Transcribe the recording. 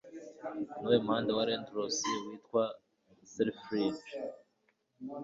Nuwuhe muhanda wa Londres witwa Selfridges?